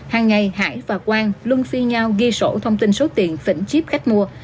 hàng ngày hải và quang luôn phi nhau ghi sổ thông tin số tiền phỉnh chip khách mua